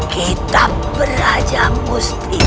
kita beraja musti